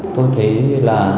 tôi thấy là